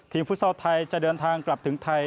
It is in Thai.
ทีมฟุตเซาท์ไทยจะเดินทางกลับถึงไทย